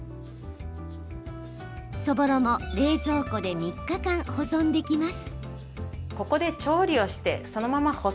そぼろも、冷蔵庫で３日間保存できます。